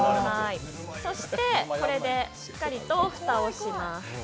これでしっかりと蓋をします。